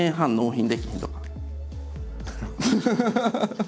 ハハハハ！